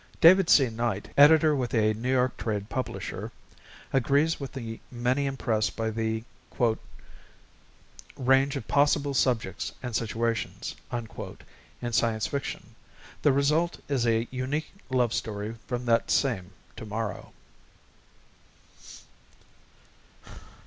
David C. Knight, editor with a New York trade publisher, agrees with the many impressed by "the range of possible subjects and situations" in science fiction. The result is a unique love story from that same Tomorrow.